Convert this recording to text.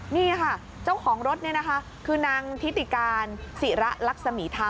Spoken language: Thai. นี่ค่ะเจ้าของรถนี่นะคะคือนางทิติการศิระลักษมีธรรมะ